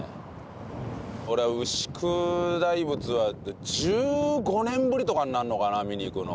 俺牛久大仏は１５年ぶりとかになるのかな見に行くの。